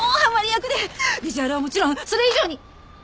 ビジュアルはもちろんそれ以上に。